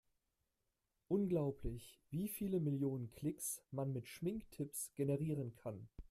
Unglaublich, wie viele Millionen Klicks man mit Schminktipps generieren kann!